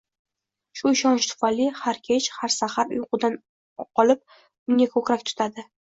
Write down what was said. Shu ishonch tufayli har kech, har saxar uyqudan qolib unga ko'krak tutadi.